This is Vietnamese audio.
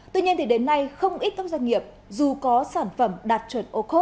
tuy nhiên thì đến nay không ít các doanh nghiệp dù có sản phẩm đạt chuẩn